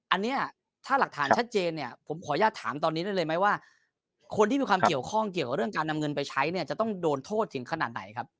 อันนี้ถ้าหลักฐานชัดเจนเนี่ยผมขออนุญาตถามตอนนี้ได้เลยไหมว่าคนที่มีความเกี่ยวข้องเกี่ยวกับเรื่องการนำเงินไปใช้เนี่ยจะต้องโดนโทษถึงขนาดไหนครับ